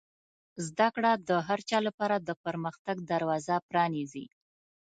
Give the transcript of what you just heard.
زده کړه د هر چا لپاره د پرمختګ دروازه پرانیزي.